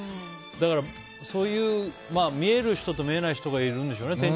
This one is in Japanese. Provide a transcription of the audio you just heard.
だから、見える人と見えない人がいるんでしょうね。